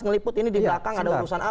ngeliput ini di belakang ada urusan apa